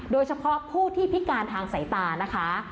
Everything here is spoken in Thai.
โดยเฉพาะผู้ที่พิการทางสายตานะคะ